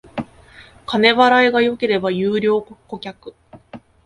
金払いが良ければ優良顧客